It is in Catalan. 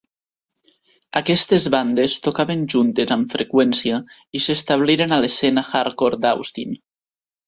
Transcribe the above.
Aquestes bandes tocaven juntes amb freqüència i s'establiren a l'escena hardcore d'Austin.